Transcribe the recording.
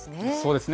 そうですね。